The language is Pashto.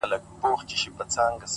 • او ملي سرود ,